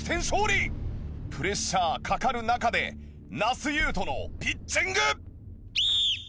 プレッシャーかかる中で那須雄登のピッチング！